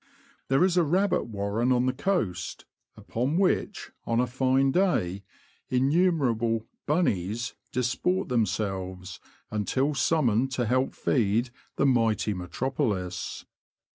There is a rabbit warren on the coast, upon which, on a fine day, innumerable " bunnies " disport them selves, until summoned to help feed the mighty metropolis.